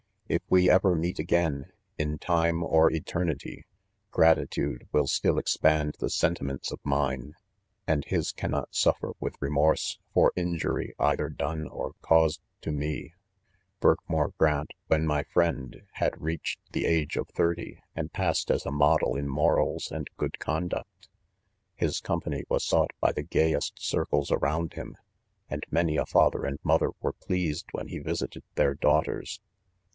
If we ever meet again, in time or eternity, g.:a..i" fade will still expand the sentiments of mine, ana his cannot suffer with remorse, for injury either done or caused to me. 'Birkmoor Grant, when my friend, had reach THE CONFESSIONS. 53 ed the age of thirty, and passed as a model in morals and good conduct. His company was sought by the gayest circles around him ; and many a father and mother were pleased when lie visited their/ daughters